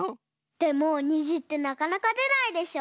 でもにじってなかなかでないでしょ？